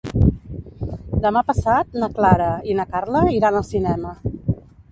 Demà passat na Clara i na Carla iran al cinema.